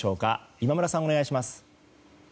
今村さん、お願いします。